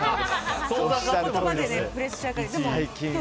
そういう言葉でプレッシャーをかけて。